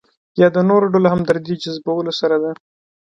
یا د نورو ډلو همدردۍ جذبولو سره ده.